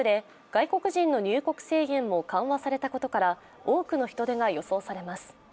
外国人の入国制限も緩和されたことから、多くの人出が予想されます。